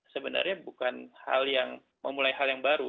sebenarnya bukan hal yang memulai hal yang baru